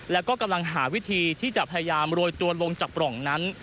แล้วก็กำลังหาวิธีที่จะพยายามโรยตัวลงจากปล่องนั้น